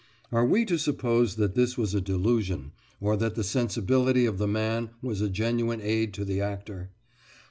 Are we to suppose that this was a delusion, or that the sensibility of the man was a genuine aid to the actor?